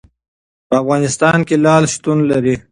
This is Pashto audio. په افغانستان کې لعل شتون لري.